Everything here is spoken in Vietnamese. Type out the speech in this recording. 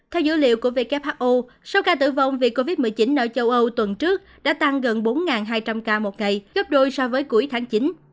theo dữ liệu của who số ca tử vong vì covid một mươi chín ở châu âu tuần trước đã tăng gần bốn hai trăm linh ca một ngày gấp đôi so với cuối tháng chín